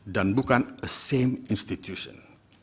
dan bukan a same institution